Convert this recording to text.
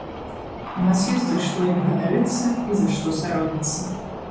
У нас ёсць за што ім ганарыцца і за што саромецца.